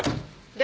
で？